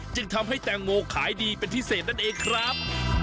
จึงทำให้แตงโมขายดีเป็นพิเศษนั่นเองครับ